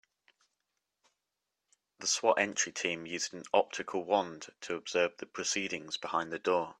The S.W.A.T. entry team used an optical wand to observe the proceedings behind the door.